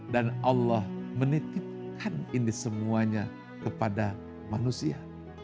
dan allah menitipkan ini semuanya kepada manusia